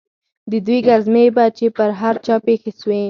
د دوى گزمې به چې پر هر چا پېښې سوې.